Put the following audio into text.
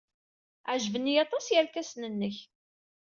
Ɛejben-iyi aṭas yerkasen-nnek.